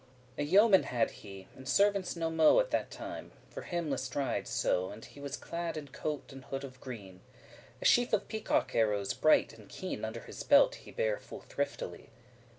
<10> A YEOMAN had he, and servants no mo' At that time, for *him list ride so* *it pleased him so to ride* And he was clad in coat and hood of green. A sheaf of peacock arrows<11> bright and keen Under his belt he bare full thriftily.